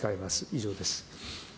以上です。